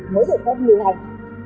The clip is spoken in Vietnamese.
mới được pháp lưu hành